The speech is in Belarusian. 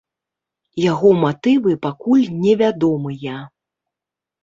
Яго матывы пакуль невядомыя.